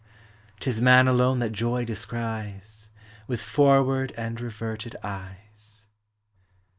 T is Man alone that joy descries With forward and reverted eyes.